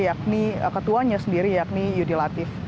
yakni ketuanya sendiri yakni judilatif